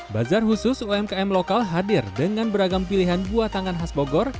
bazar khusus umkm lokal hadir dengan beragam pilihan buah tangan khas bogor